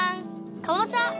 かぼちゃ！